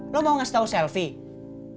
lo mau ngasih tau selfie